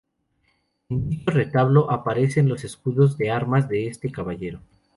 En dicho retablo aparecen los escudos de armas de este caballero.